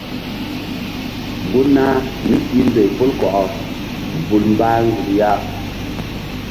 Gun nah míi ndoy pol kɔkɔ vul mbah nzuk ya.